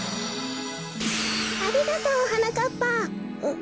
ありがとうはなかっぱ。